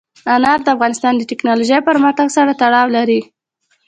انار د افغانستان د تکنالوژۍ پرمختګ سره تړاو لري.